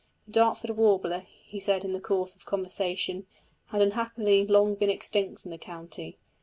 The Dartford warbler, he said in the course of conversation, had unhappily long been extinct in the county.